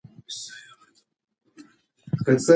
د چاپیریال د ککړتیا مخنیوی د راتلونکي نسل ژوند ژغورل دي.